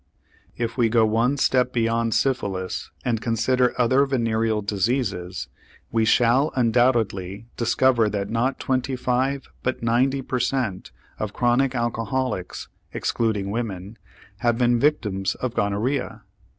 If we go one step beyond syphilis and consider other venereal diseases, we shall undoubtedly discover that not twenty five, but ninety, per cent. of chronic alcoholics, excluding women, have been victims of gonorrhoea.